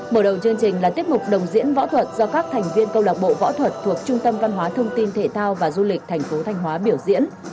mở đầu chương trình là tiết mục đồng diễn võ thuật do các thành viên câu lạc bộ võ thuật thuộc trung tâm văn hóa thông tin thể thao và du lịch thành phố thanh hóa biểu diễn